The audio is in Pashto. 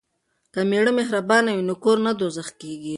که میړه مهربان وي نو کور نه دوزخ کیږي.